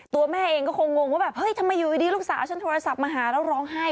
ตัวแม่เองก็คงงว่าแบบเฮ้ยทำไมอยู่ดีลูกสาวฉันโทรศัพท์มาหาแล้วร้องไห้